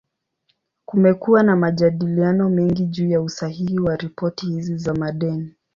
Kumekuwa na majadiliano mengi juu ya usahihi wa ripoti hizi za madeni.